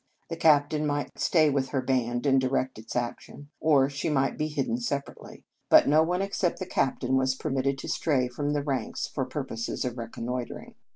The captain might stay with her band, and direct its action, or she might be hidden separately; but no one except the captain was permitted to stray from the ranks for purposes of reconnoitring.